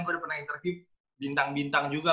udah pernah interview bintang bintang juga